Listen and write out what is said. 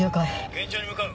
現場に向かう。